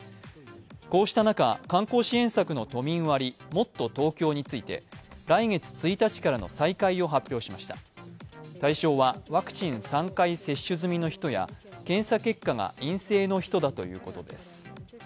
こうした中、観光支援策の都民割、もっとＴｏｋｙｏについて、来月１日からの再開を発表しました対象はワクチン３回接種済みの人や検査結果が陰性の人だということです。